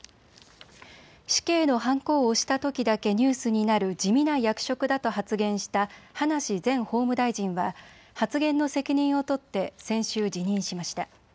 死刑のはんこを押したときだけニュースになる地味な役職だと発言した葉梨前法務大臣は発言の責任を取って先週、辞任しました。